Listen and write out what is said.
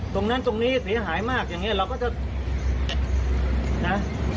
ตรงนั้นตรงนี้เสียหายมากอย่างนี้เราก็จะนะ